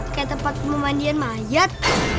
ke tempat memandian mayat